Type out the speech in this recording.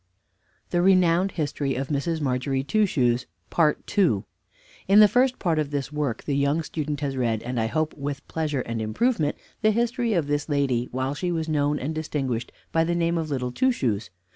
THE RENOWNED HISTORY OF MRS. MARGERY TWO SHOES PART TWO In the first part of this work the young student has read, and I hope with pleasure and improvement, the history of this lady, while she was known and distinguished by the name of LITTLE TWO SHOES.